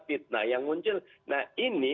fitnah yang muncul nah ini